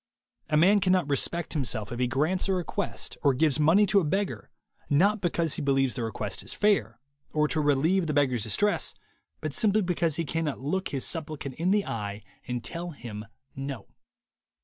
A man cannot respect himself if he grants a request or gives money to a beggar not because he believes the request is fair, or to relieve the beggar's distress, but simply because he cannot look his supplicant in the eye and tell him No.